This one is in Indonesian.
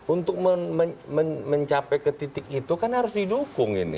untuk mencapai ke titik itu kan harus didukung ini